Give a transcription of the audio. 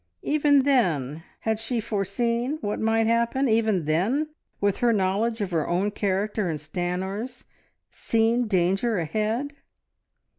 Even then, had she foreseen what might happen even then, with her knowledge of her own character and Stanor's, seen danger ahead?